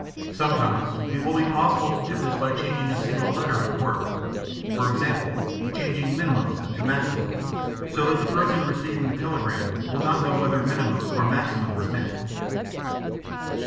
Sometimes it will be possible to do this by changing a single letter in a word—for example, changing "minimum" to "maximum," so that the person receiving the telegram will not know whether "minimum" or "maximum" is meant.